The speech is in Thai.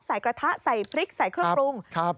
กระทะใส่พริกใส่เครื่องปรุง